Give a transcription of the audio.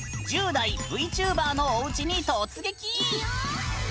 １０代ＶＴｕｂｅｒのおうちに突撃！